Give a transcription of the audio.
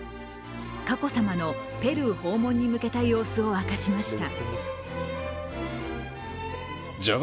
佳子さまのペルー訪問に向けた様子を明かしました。